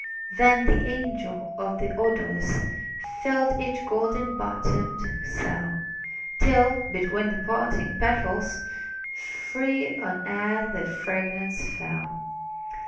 Then the angel of the odors Filled each golden bottomed cell, Till, between the parting petals, Free on air the fragrance fell.